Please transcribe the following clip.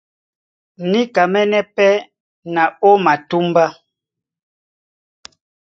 Níkamɛ́nɛ́ pɛ́ na ó matúmbá.